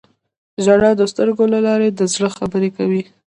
• ژړا د سترګو له لارې د زړه خبرې کوي.